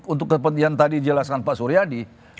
untuk kepentingan tadi dijelaskan pak suryadi